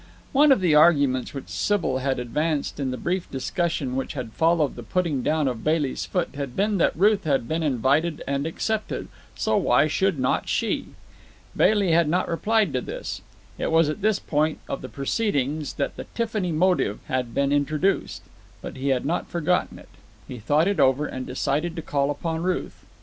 One of the arguments which Sybil had advanced in the brief discussion which had followed the putting down of Bailey's foot had been that Ruth had been invited and accepted, so why should not she? Bailey had not replied to this—it was at this point of the proceedings that the Tiffany motive had been introduced, but he had not forgotten it. He thought it over, and decided to call upon Ruth.